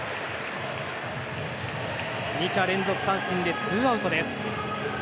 ２者連続三振でツーアウトです。